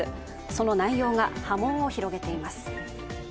その内容が波紋を広げています。